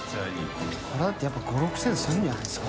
これだってやっぱ６０００円するんじゃないですか？